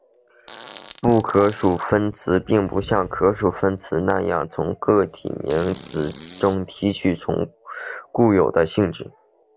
不可数分类词并不像可数分类词那样从个体名词中提取出固有的属性。